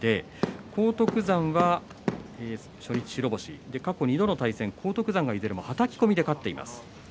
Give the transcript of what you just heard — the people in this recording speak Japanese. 荒篤山は初日白星、過去２度の対戦は荒篤山がはたき込みで勝っています。